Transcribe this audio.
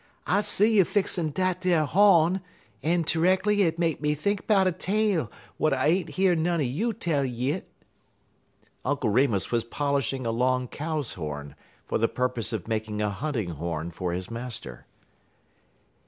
"I see you fixin' dat ar hawn, en terreckerly hit make me think 'bout a tale w'at I ain't year none en you tell yit." Uncle Remus was polishing a long cow's horn, for the purpose of making a hunting horn for his master.